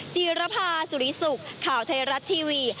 จีรภาสุริสุขข่าวไทยรัฐทีวี